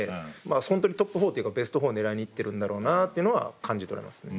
本当にトップ４というかベスト４を狙いに行ってるんだろうなというのは感じ取れますね。